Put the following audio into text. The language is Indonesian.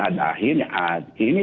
ada akhirnya ini